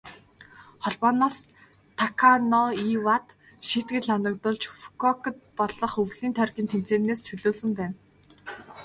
Холбооноос Таканоивад шийтгэл оногдуулж, Фүкүокад болох өвлийн тойргийн тэмцээнээс чөлөөлсөн байна.